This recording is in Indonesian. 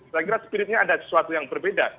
saya kira spiritnya ada sesuatu yang berbeda